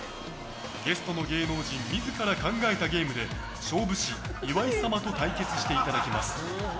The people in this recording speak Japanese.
ゲストの芸能人自ら考えたゲームで勝負師・岩井様と対決していただきます。